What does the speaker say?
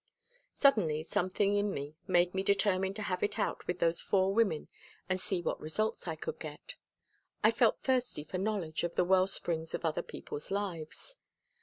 Suddenly something in me made me determine to have it out with those four women and see what results I could get. I felt thirsty for knowledge of the wellsprings of other people's lives.